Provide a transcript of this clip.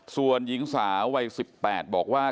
ส่วนหญิงสาววัย๑๘บอกว่า